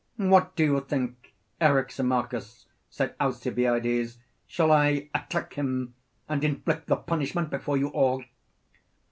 What do you think, Eryximachus? said Alcibiades: shall I attack him and inflict the punishment before you all?